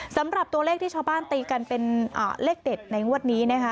สำหรับตัวเลขที่ชาวบ้านตีกันเป็นเลขเด็ดในงวดนี้นะคะ